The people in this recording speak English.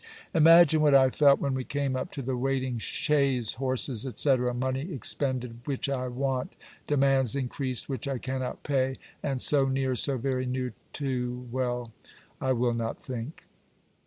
Imagine what I felt when we came up to the waiting chaise, horses, &c. money expended which I want; demands increased which I cannot pay. And so near, so very near to Well: I will not think.